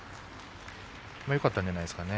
よかったんじゃないですかね。